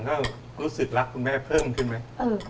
แล้วรู้สึกรักคุณแม่เพิ่มขึ้นไหม